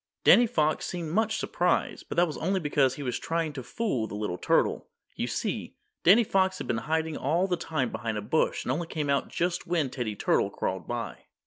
Danny Fox seemed much surprised, but that was only because he was trying to fool the little turtle. You see, Danny Fox had been hiding all the time behind a bush and only came out just when Teddy Turtle crawled by.